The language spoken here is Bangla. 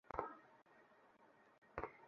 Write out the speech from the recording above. খা নাহলে খিদে লাগবে।